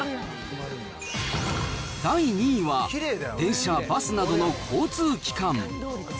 第２位は、電車・バスなどの交通機関。